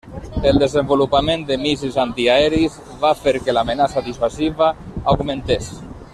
El desenvolupament de míssils antiaeris va fer que l'amenaça dissuasiva augmentés.